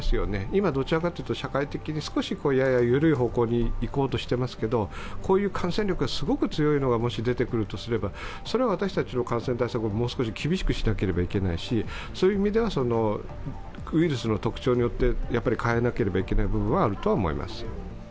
今どちらかというと社会的に少しやや緩い方向にいこうとしていますけれども、こういう感染力がすごく強いのが出てくるとすればそれは私たちの感染対策ももう少し厳しくしなければならないしウイルスの特徴によって変えなければいけない部分はあると思います。